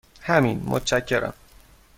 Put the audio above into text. همین، متشکرم.